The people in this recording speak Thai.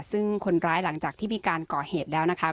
ซึ่งคนร้ายหลังจากที่มีการก่อเหตุแล้วนะคะ